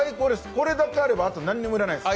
これだけあればと何も要らないです。